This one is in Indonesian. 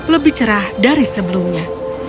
lebih cerah dari sebelumnya